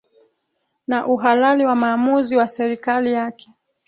na uhalali wa maamuzi wa serikali yake